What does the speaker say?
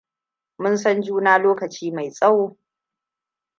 Mun san juna lokaci mai tsawo.